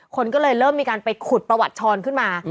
คนก็เลยเริ่มมีการไปขุดประวัติช้อนขึ้นมา